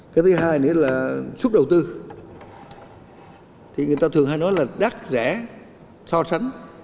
cái thứ hai nữa là suất đầu tư thì người ta thường hay nói là đắt rẻ so sánh